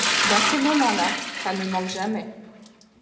Dans ces moments-là, ça ne manque jamais…